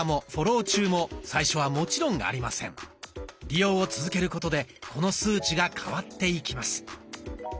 利用を続けることでこの数値が変わっていきます。